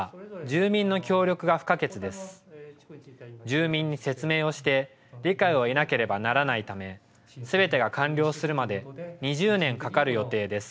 住民に説明をして、理解を得なければならないため、すべてが完了するまで２０年かかる予定です。